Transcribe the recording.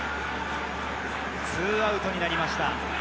２アウトになりました。